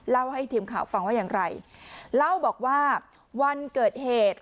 เล่าให้ทีมข่าวฟังว่าอย่างไรเล่าบอกว่าวันเกิดเหตุ